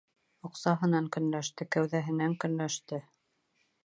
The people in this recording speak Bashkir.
Аҡсаһынан көнләште, кәүҙәһенән көнләште.